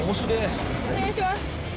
お願いします。